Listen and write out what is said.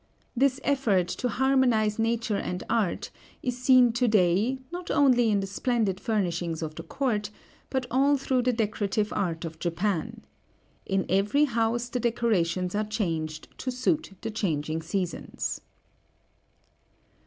This effort to harmonize Nature and Art is seen to day, not only in the splendid furnishings of the court, but all through the decorative art of Japan. In every house the decorations are changed to suit the changing seasons.